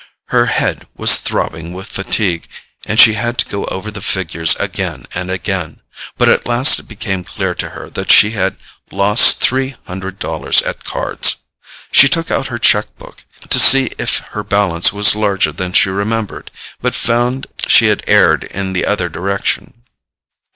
Her head was throbbing with fatigue, and she had to go over the figures again and again; but at last it became clear to her that she had lost three hundred dollars at cards. She took out her cheque book to see if her balance was larger than she remembered, but found she had erred in the other direction.